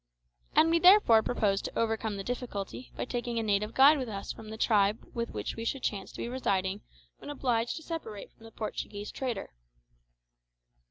And we therefore proposed to overcome the difficulty by taking a native guide with us from the tribe with which we should chance to be residing when obliged to separate from the Portuguese trader.